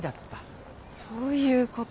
そういうこと。